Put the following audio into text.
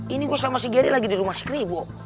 ini gue sama si gary lagi di rumah si keribu